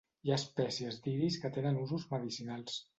Hi ha espècies d'iris que tenen usos medicinals.